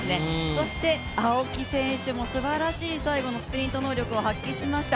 そして青木選手もすばらしい最後のスプリント能力を発揮しました。